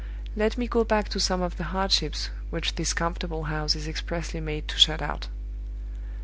Let me go back to some of the hardships which this comfortable house is expressly made to shut out.